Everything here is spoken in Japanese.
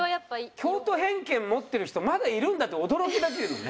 京都偏見持ってる人まだいるんだっていう驚きだけどね。